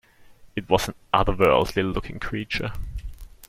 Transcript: It was an otherworldly looking creature.